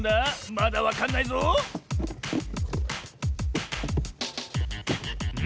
まだわかんないぞん？